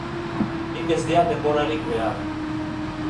Nik ez diat denborarik behar.